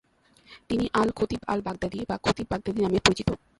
তিনি আল-খতিব আল-বাগদাদী বা খতিব বাগদাদী নামে পরিচিত।